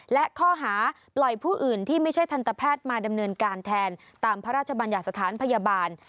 และข้อหาปล่อยผู้อื่นที่ไม่ใช่ทันตแพทย์มาดำเนินการแทนตามพระราชบัญญัติสถานพยาบาล